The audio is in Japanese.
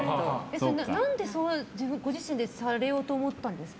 何でご自身でされようと思ったんですか？